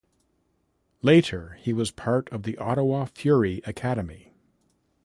Later he was part of the Ottawa Fury Academy.